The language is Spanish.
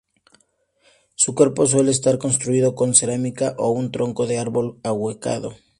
Su cuerpo suele estar construido con cerámica o un tronco de árbol ahuecado.